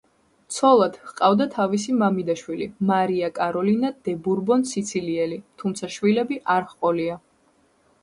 ცოლად ჰყავდა თავისი მამიდაშვილი მარია კაროლინა დე ბურბონ-სიცილიელი, თუმცა შვილები არ ჰყოლია.